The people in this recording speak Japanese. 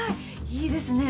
いいですね。